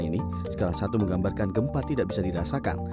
ini skala satu menggambarkan gempa tidak bisa dirasakan